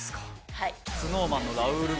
「はい」